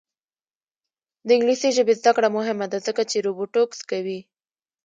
د انګلیسي ژبې زده کړه مهمه ده ځکه چې روبوټکس رسوي.